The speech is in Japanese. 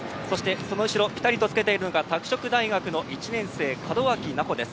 その後ろにぴたりとつけているのが拓殖大１年生、門脇菜穂です。